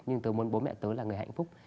nhưng tớ muốn bố mẹ tớ là người hạnh phúc